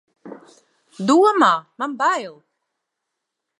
Domā, man bail!